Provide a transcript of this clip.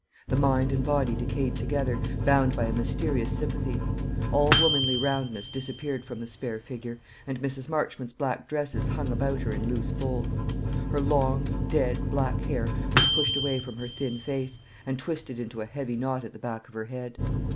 The mind and body decayed together, bound by a mysterious sympathy. All womanly roundness disappeared from the spare figure, and Mrs. Marchmont's black dresses hung about her in loose folds. Her long, dead, black hair was pushed away from her thin face, and twisted into a heavy knot at the back of her head.